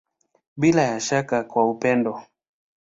Bila ya shaka kwa upendo.